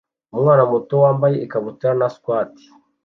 Umwana muto wambaye ikabutura na swater